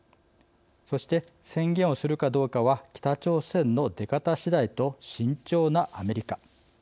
そして宣言をするかどうかは北朝鮮の出方しだいと慎重なアメリカ。